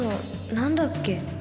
何だっけ？